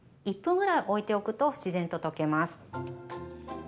１分ぐらい置いておくと自然と溶けます。